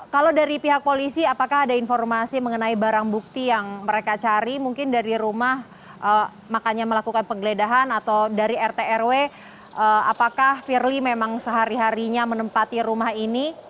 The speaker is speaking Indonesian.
kalau dari pihak polisi apakah ada informasi mengenai barang bukti yang mereka cari mungkin dari rumah makanya melakukan penggeledahan atau dari rt rw apakah firly memang sehari harinya menempati rumah ini